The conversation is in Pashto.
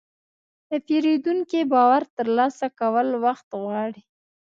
د پیرودونکي باور ترلاسه کول وخت غواړي.